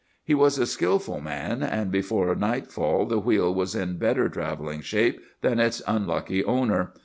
"He was a skilful man, and before nightfall the wheel was in better travelling shape than its unlucky owner.